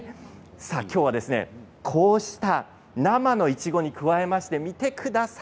今日は、こうした生のいちごに加えまして見てください